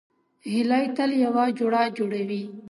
هیلۍ تل یو جوړه جوړوي